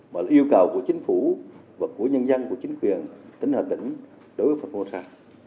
mà là yêu cầu của chính phủ và của nhân dân của chính quyền tỉnh hợp tỉnh đối với phongmosa